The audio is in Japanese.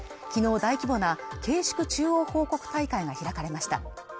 昨日大規模な慶祝中央報告大会が開かれました